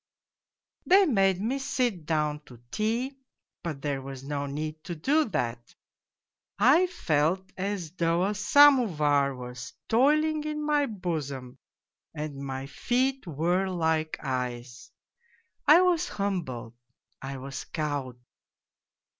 They made me sit down to tea, but there was no need to do that : I felt as though a samovar was toiling in my bosom and my feet were like ice. I was humbled, I was cowed.